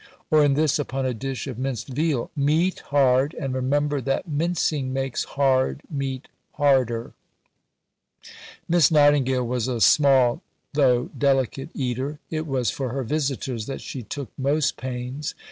or this upon a dish of minced veal, "Meat hard, and remember that mincing makes hard meat harder." Miss Nightingale was a small, though delicate, eater; it was for her visitors that she took most pains.